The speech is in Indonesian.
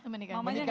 menikahnya saja ldr